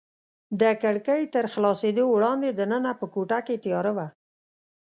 د کړکۍ تر خلاصېدو وړاندې دننه په کوټه کې تیاره وه.